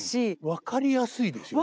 分かりやすいですよね。